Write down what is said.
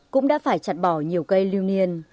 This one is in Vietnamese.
cũng đã phải chặt bỏ nhiều cây lưu niên